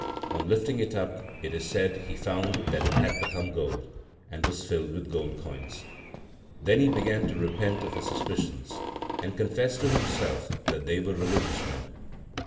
On lifting it up, it is said, he found that it had become gold, and was filled with gold coins. Then he began to repent of his suspicions, and confessed to himself that they were religious men.